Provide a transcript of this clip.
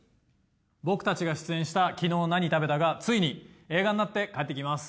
僕たちが出演した『きのう何食べた？』がついに映画になって帰ってきます。